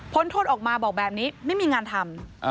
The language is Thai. โทษออกมาบอกแบบนี้ไม่มีงานทำ